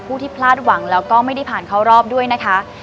ที่พลาดหวังแล้วก็ไม่ได้ผ่านเข้ารอบด้วยนะคะ